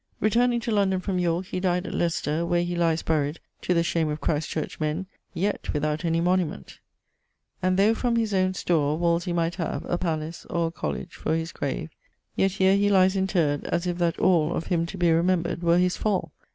Returning to London from Yorke, he died at Leicester, where he lies buried (to the shame of Christ church men) yet without any monument. 'And though, from his owne store, Wolsey might have A palace or a colledge for his grave, Yet here he lies interr'd, as if that all Of him to be remembred were his fall.